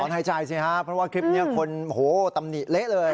ถอนหายใจสิครับเพราะว่าคลิปนี้คนโหตำนิเละเลย